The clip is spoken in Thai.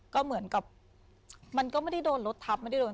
ก็เหมือนกับมันก็ไม่ได้โดนรถทับไม่ได้โดน